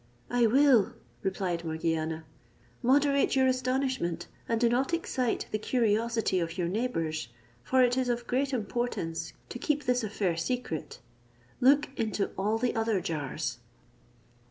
"I will," replied Morgiana; "moderate your astonishment, and do not excite the curiosity of your neighbours; for it is of great importance to keep this affair secret. Look into all the other jars."